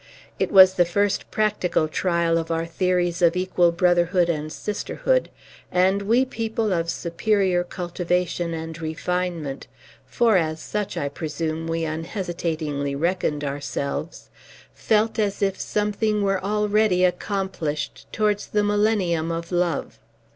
It was the first practical trial of our theories of equal brotherhood and sisterhood; and we people of superior cultivation and refinement (for as such, I presume, we unhesitatingly reckoned ourselves) felt as if something were already accomplished towards the millennium of love.